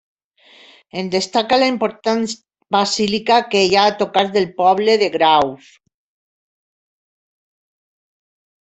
En destaca la important basílica que hi ha a tocar del poble de Graus.